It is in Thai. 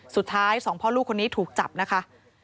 สุดท้ายสองพ่อลูกคนนี้ถูกจับนะคะ